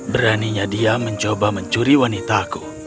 beraninya dia mencoba mencuri wanitaku